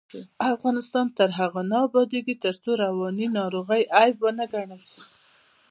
افغانستان تر هغو نه ابادیږي، ترڅو رواني ناروغۍ عیب ونه ګڼل شي.